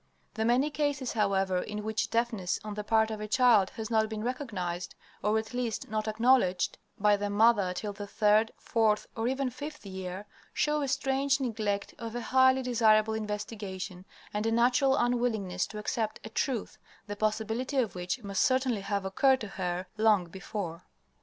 The many cases, however, in which deafness on the part of a child has not been recognized, or at least not acknowledged, by the mother till the third, fourth, or even fifth year, show a strange neglect of a highly desirable investigation, and a natural unwillingness to accept a truth, the possibility of which must certainly have occurred to her long before.